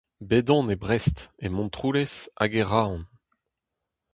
Bet on e Brest, e Montroulez, hag e Roazhon.